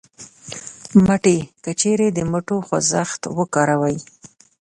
مټې : که چېرې د مټو خوځښت وکاروئ